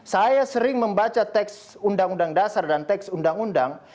saya sering membaca teks undang undang dasar dan teks undang undang